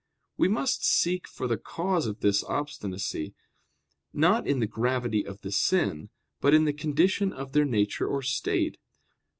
We must seek for the cause of this obstinacy, not in the gravity of the sin, but in the condition of their nature or state.